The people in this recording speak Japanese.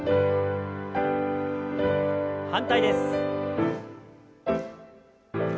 反対です。